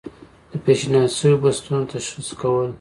د پیشنهاد شویو بستونو تشخیص کول.